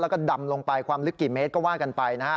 แล้วก็ดำลงไปความลึกกี่เมตรก็ว่ากันไปนะฮะ